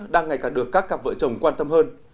đang ngày càng được các cặp vợ chồng quan tâm hơn